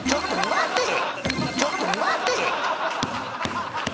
ちょっと待てぃ！！